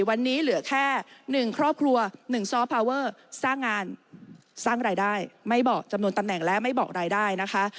วันนี้เหลือแค่๑ครอบครัว๑ซ้อพาเวอร์สร้างงานสร้างรายได้ไม่บอกจำนวนตำแหน่งและไม่บอกรายได้นะคะ